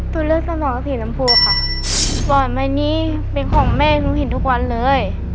ตัวเลือดสำหรับสีชมพูค่ะหมอนใบนี้เป็นของเมฆสูงหินทุกวันเลย